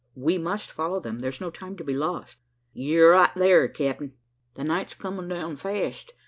We must follow them: there's no time to be lost." "Ye're right thar, capt'n! The night's a comin' down fast.